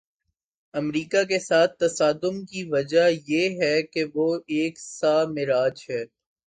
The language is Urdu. امریکہ کے ساتھ تصادم کی وجہ یہ ہے کہ وہ ایک سامراج ہے۔